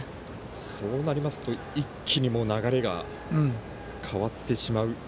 そうなりますと一気に流れが変わってしまう。